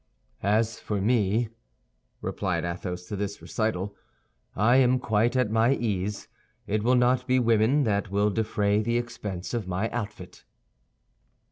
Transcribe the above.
"As for me," replied Athos to this recital, "I am quite at my ease; it will not be women that will defray the expense of my outfit."